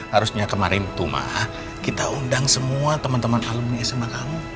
harusnya kemarin tumah kita undang semua teman teman alumni sma kamu